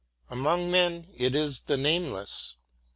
Among men it is the nameless.